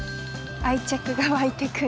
愛着がわいてくる。